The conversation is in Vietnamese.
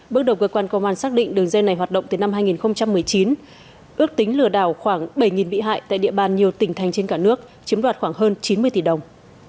bước đầu cơ quan công an xác định đường dây này hoạt động từ năm hai nghìn một mươi chín ước tính lừa đảo khoảng bảy bị hại tại địa bàn nhiều tỉnh thành trên cả nước chiếm đoạt khoảng hơn chín mươi tỷ đồng